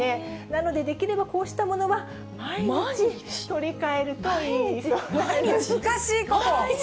なので、できればこうしたものは毎日取り換えるといいそうです。